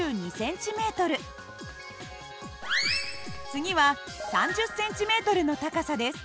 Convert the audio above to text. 次は３０ｃｍの高さです。